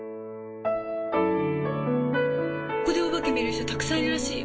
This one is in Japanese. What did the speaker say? ここでお化け見る人たくさんいるらしいよ。